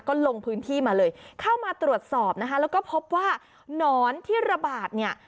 ก็ลงพื้นที่มาเลยเข้ามาตรวจสอบนะคะแล้วก็พบว่าหนอนที่ระบาดเนี่ย